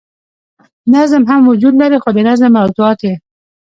نظم هم وجود لري خو د نظم موضوعات ئې